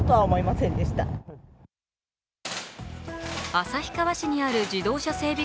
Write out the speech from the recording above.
旭川市にある自動車整備